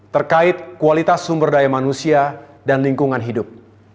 terkait kualitas sumber daya manusia dan lingkungan hidup